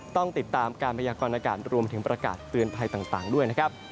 ต้องติดตามการพยากรณากาศรวมถึงประกาศเตือนภัยต่างด้วยนะครับ